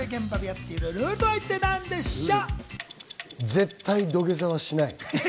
絶対、土下座はしない。